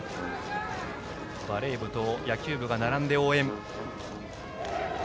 バレー部と野球部が並んで応援。